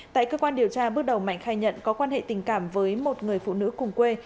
tại cơ quan điều tra bước đầu mạnh khai nhận có quan hệ tình cảm với một người phụ nữ cùng quê